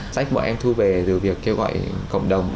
sách bọn em thu về từ việc kêu gọi cộng đồng